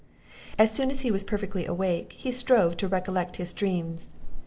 As soon as he was perfectly awake, he strove to recollect his dreams.